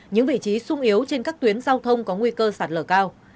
những vị trí sung yếu trên các tuyến giao thông có nguy cơ sạt lở cao